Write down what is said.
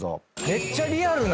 めっちゃリアルな。